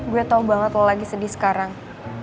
gue tau banget lo lagi sedih sekarang